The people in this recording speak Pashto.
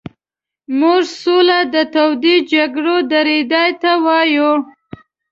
موږ سوله د تودې جګړې درېدا ته وایو.